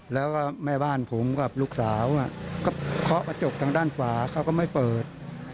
แล้วก็แม่บ้านผมกับลูกสาวก็เคาะกระจกทางด้านขวาเขาก็ไม่เปิด